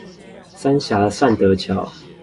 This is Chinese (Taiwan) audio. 三峽善德橋